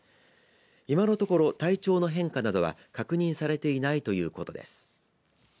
今のところ、体調の変化などは確認されていないということです。